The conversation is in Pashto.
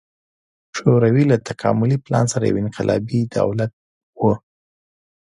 شوروي له تکاملي پلان سره یو انقلابي دولت و.